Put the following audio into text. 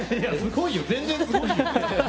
すごいよ、全然すごいよ。